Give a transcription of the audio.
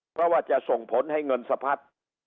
เพราะว่าจะส่งผลให้เงินสะพัด